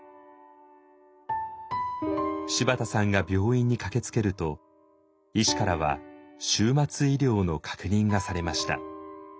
柴田さんが病院に駆けつけると医師からは終末医療の確認がされました。